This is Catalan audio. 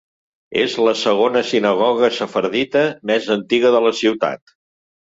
És la segona sinagoga sefardita més antiga de la ciutat.